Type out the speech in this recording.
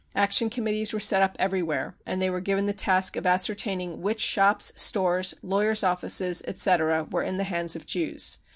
Action Committees were set up everywhere and they were given the task of ascertaining which shops, stores, lawyers' offices, etc., were in the hands of Jews.